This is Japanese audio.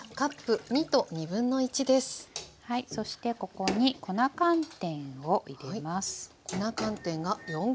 そしてここに粉寒天を入れます。